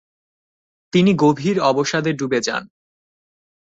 তিনি গভীর অবসাদে ডুবে যান।